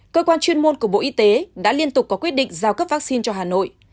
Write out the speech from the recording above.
cơ quan chuyên môn của bộ y tế đã liên tục có quyết định giao cấp vaccine cho hà nội